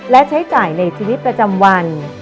และใช้จ่ายในชีวิตประจำวัน